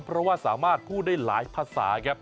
เพราะว่าสามารถพูดได้หลายภาษาครับ